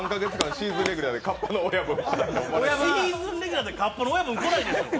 シーズンレギュラーでカッパの親分来ないでしょ！